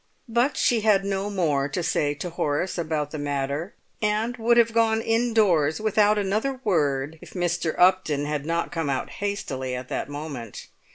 But she had no more to say to Horace about the matter, and would have gone indoors without another word if Mr. Upton had not come out hastily at that moment.